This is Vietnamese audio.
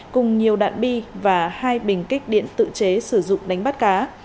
cùng nhiều đạn bi và hai bình kích điện tự chế sử dụng đánh bắt cá